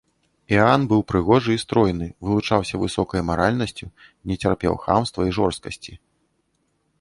Іаан быў прыгожы і стройны, вылучаўся высокай маральнасцю, не цярпеў хамства і жорсткасці.